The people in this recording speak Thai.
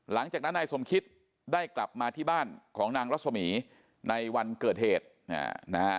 หลังจากนั้นนายสมคิตได้กลับมาที่บ้านของนางรัศมีในวันเกิดเหตุนะฮะ